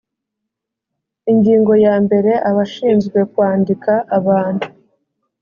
ingingo ya mbere abashinzwe kwandika abantu